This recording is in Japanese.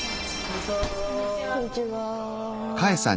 こんにちは。